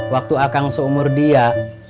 waktu akang seumur dia